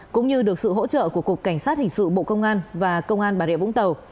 cũng như được sự hỗ trợ của cục cảnh sát hình sự bộ công an và công an bà rịa vũng tàu